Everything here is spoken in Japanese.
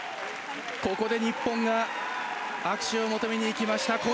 ここで日本が握手を求めに行きました。